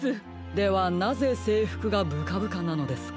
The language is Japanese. ではなぜせいふくがブカブカなのですか？